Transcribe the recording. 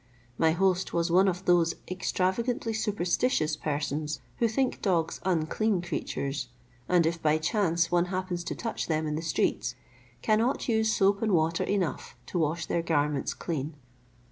My host was one of those extravagantly superstitious persons who think dogs unclean creatures, and if by chance one happens to touch them in the streets, cannot use soap and water enough to wash their garments clean.